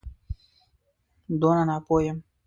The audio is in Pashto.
دونه ناپوه یم.